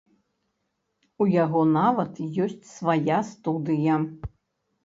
У яго нават ёсць свая студыя!